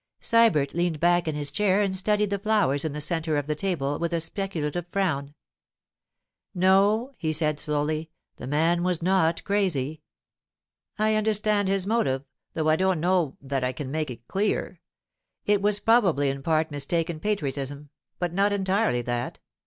Sybert leaned back in his chair and studied the flowers in the centre of the table with a speculative frown. 'No,' he said slowly, 'the man was not crazy. I understand his motive, though I don't know that I can make it clear. It was probably in part mistaken patriotism—but not entirely that.